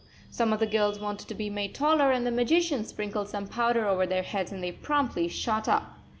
Some of the girls wanted to be made taller, and the magician sprinkled some powder over their heads and they promptly shot up.